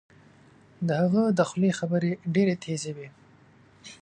د هغه د خولې خبرې ډیرې تېزې وې